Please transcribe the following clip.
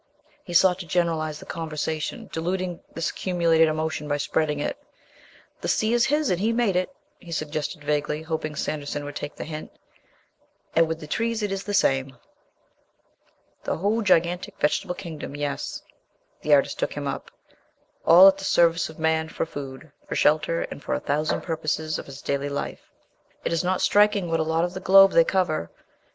He sought to generalize the conversation, diluting this accumulated emotion by spreading it. "The sea is His and He made it," he suggested vaguely, hoping Sanderson would take the hint, "and with the trees it is the same...." "The whole gigantic vegetable kingdom, yes," the artist took him up, "all at the service of man, for food, for shelter and for a thousand purposes of his daily life. Is it not striking what a lot of the globe they cover ...